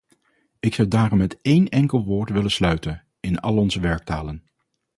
Ik zou daarom met één enkel woord willen sluiten, in al onze werktalen.